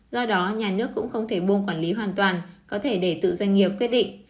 do đó nhà nước cũng không thể buông quản lý hoàn toàn có thể để tự doanh nghiệp quyết định